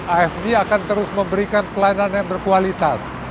afg akan terus memberikan pelayanan yang berkualitas